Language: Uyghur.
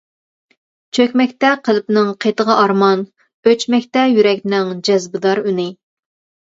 چۆكمەكتە قەلبنىڭ قېتىغا ئارمان، ئۆچمەكتە يۈرەكنىڭ جەزبدار ئۈنى.